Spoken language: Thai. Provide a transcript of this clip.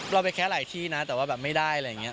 เราไปแค่หลายที่นะแต่ว่าแบบไม่ได้อะไรอย่างนี้